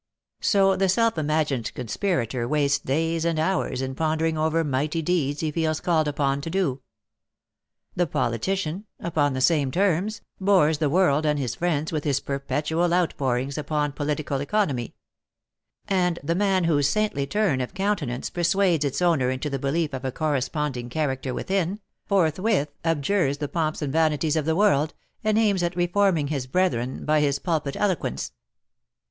So the self imagined conspirator wastes days and hours in pondering over mighty deeds he feels called upon to do. The politician, upon the same terms, bores the world and his friends with his perpetual outpourings upon political economy; and the man whose saintly turn of countenance persuades its owner into the belief of a corresponding character within, forthwith abjures the pomps and vanities of the world, and aims at reforming his brethren by his pulpit eloquence.